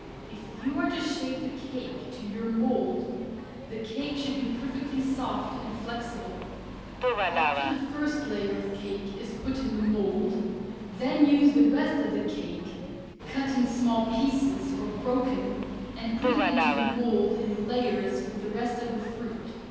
If you are to shape the cake to your mould the cake should be perfectly soft and flexible. After the first layer of cake is put against the mould, then use the rest of the cake cut in small pieces, or broken, and put into the mould in layers with the rest of the fruit.